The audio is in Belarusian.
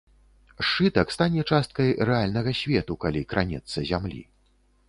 Сшытак стане часткай рэальнага свету, калі кранецца зямлі.